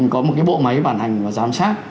có một cái bộ máy bàn hành và giám sát